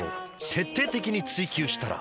徹底的に追求したら‼